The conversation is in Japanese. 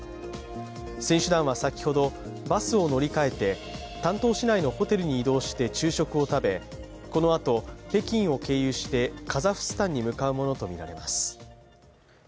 選手団は先ほど、バスを乗り換えて丹東市内のホテルに移動して昼食を食べ、このあと、北京を経由してカザフスタンに向かうものとみられます。